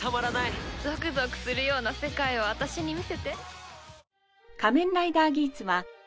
ゾクゾクするような世界を私に見せて。